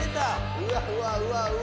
うわうわうわうわ。